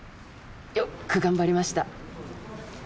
よく頑張りました